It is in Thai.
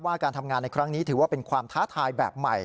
การทำงานในครั้งนี้ถือว่าเป็นความท้าทายแบบใหม่